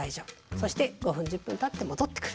そして５分１０分たって戻ってくる。